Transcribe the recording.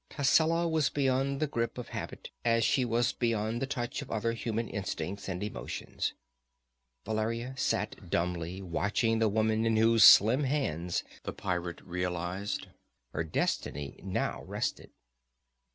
Tascela was beyond the grip of habit, as she was beyond the touch of other human instincts and emotions. Valeria sat dumbly, watching the woman in whose slim hands, the pirate realized, her destiny now rested.